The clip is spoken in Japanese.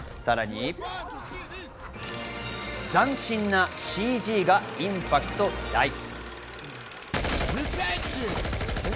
さらに斬新なＣＧがインパクト大。